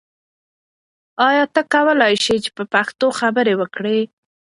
ایا ته کولای شې چې په پښتو خبرې وکړې؟